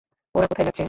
ওরা কোথায় যাচ্ছে?